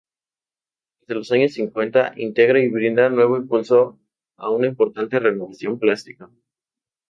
Desde los años Cincuenta integra y brinda nuevo impulso a una importante renovación plástica.